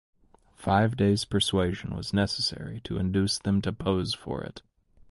Five days’ persuasion was necessary to induce them to pose for it.